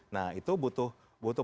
nah itu butuh